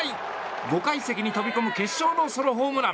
５階席に飛び込む決勝のソロホームラン。